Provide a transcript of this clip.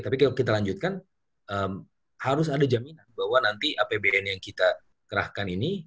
tapi kalau kita lanjutkan harus ada jaminan bahwa nanti apbn yang kita kerahkan ini